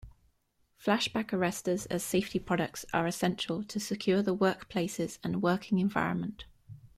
Flashback arrestors as safety products are essential to secure the workplaces and working environment.